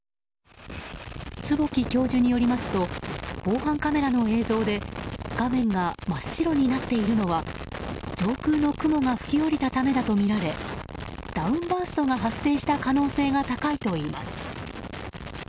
坪木教授によりますと防犯カメラの映像で画面が真っ白になっているのは上空の雲が吹き降りたためだとみられダウンバーストが発生した可能性が高いといいます。